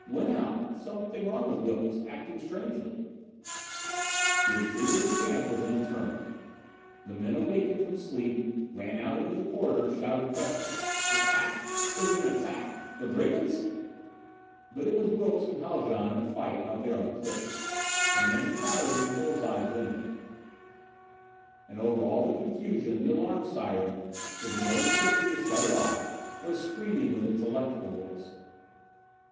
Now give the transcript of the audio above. "Went out something wrong with Wilks acting strangely " The interior of the camp was in a turmoil. The men awakened from sleep, ran out into the corridors, shouted questions. "An attack?" "Is it an attack?" "The brigands?" But it was Wilks and Haljan in a fight out there on the cliff. The men crowded at the bulls' eye windows. And over all the confusion the alarm siren, with no one thinking to shut it off, was screaming with its electrical voice.